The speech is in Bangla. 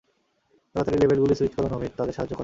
তাড়াতাড়ি, লেবেলগুলি স্যুইচ করো নমিত, তাদের সাহায্য করো।